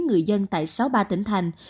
người dân tại sáu mươi ba tỉnh thành